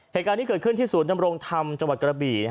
เหตุการณ์นี้เกิดขึ้นที่ศูนย์ดำรงธรรมจังหวัดกระบี่